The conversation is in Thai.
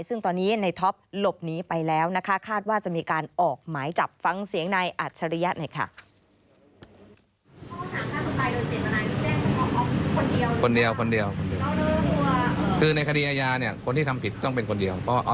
ซึ่งตอนนี้ในท็อปหลบหนีไปแล้วนะคะคาดว่าจะมีการออกหมายจับฟังเสียงนายอัจฉริยะหน่อยค่ะ